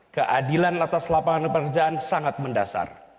keadilan atas lapangan pekerjaan sangat mendasar